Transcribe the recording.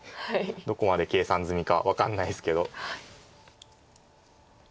どこまで計算済みか分かんないですけど。